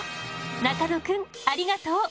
中野くんありがとう。